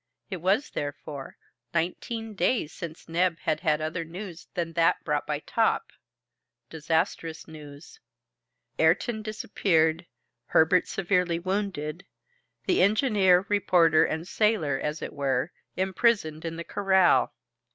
It was, therefore, nineteen days since Neb had had other news than that brought by Top disastrous news: Ayrton disappeared, Herbert severely wounded, the engineer, reporter, and sailor, as it were, imprisoned in the corral!